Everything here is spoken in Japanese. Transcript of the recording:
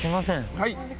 はい。